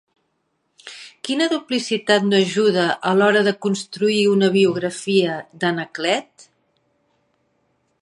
Quina duplicitat no ajuda a l'hora de construir una bibliografia d'Anaclet?